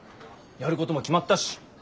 やることも決まったし。